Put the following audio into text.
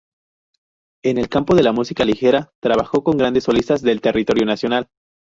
En el campo de la música ligera trabajó con grandes solistas del territorio nacional.